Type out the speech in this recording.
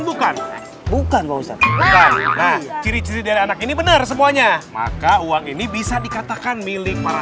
bukan bukan nggak usah nah ciri ciri dari anak ini benar semuanya maka uang ini bisa dikatakan milik para